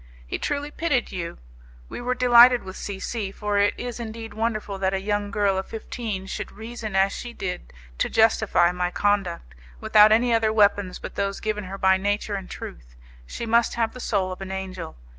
He truly pitied you. We were delighted with C C , for it is indeed wonderful that a young girl of fifteen should reason as she did to justify my conduct, without any other weapons but those given her by nature and truth; she must have the soul of an angel.